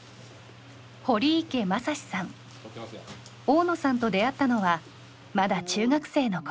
大野さんと出会ったのはまだ中学生のころ。